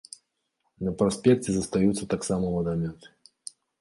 На праспекце застаюцца таксама вадамёты.